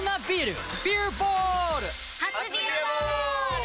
初「ビアボール」！